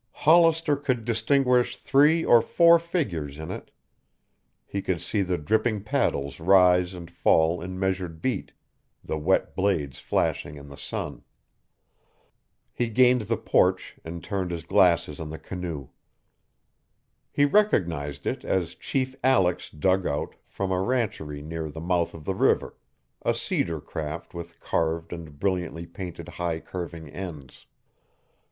Hollister could distinguish three or four figures in it. He could see the dripping paddles rise and fall in measured beat, the wet blades flashing in the sun. He gained the porch and turned his glasses on the canoe. He recognized it as Chief Aleck's dugout from a rancherie near the mouth of the river, a cedar craft with carved and brilliantly painted high curving ends.